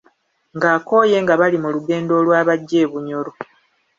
Ng’akooye nga bali mu lugendo olwabajja e Bunyoro.